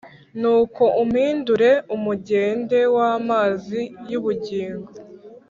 Nuko umpindure umugende w’amazi y’ubugingo